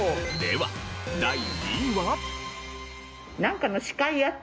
では第２位は？